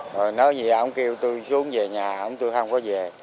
rồi nói gì ông kêu tôi xuống về nhà tôi không có về